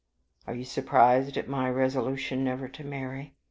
Are you surprised at my resolution never to marry?